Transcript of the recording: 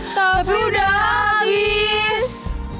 tapi udah abis